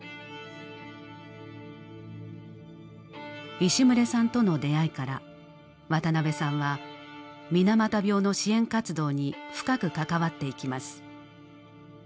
石牟礼さんとの出会いから渡辺さんは水俣病の支援活動に深く関わっていきます。